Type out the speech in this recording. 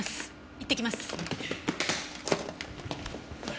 行ってきます。